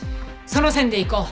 その線でいこう。